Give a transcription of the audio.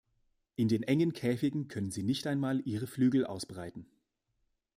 In den engen Käfigen können sie nicht einmal ihre Flügel ausbreiten.